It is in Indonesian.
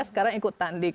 sekarang ikut tanding